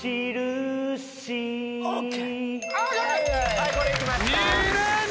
はいこれいきました。